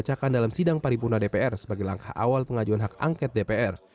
dibacakan dalam sidang paripurna dpr sebagai langkah awal pengajuan hak angket dpr